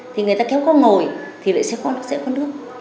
thì người ta kéo con ngồi thì lại sẽ có nước sẽ có nước